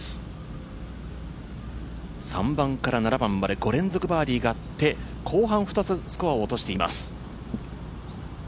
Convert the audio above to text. ３番から７番まで５連続バーディーがあって後半、２つスコアを落としています。